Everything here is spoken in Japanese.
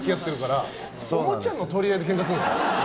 おもちゃの取り合いでけんかするんですか。